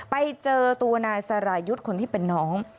ไปเจอตัวนายสรายุทธ์คนที่เป็นน้อง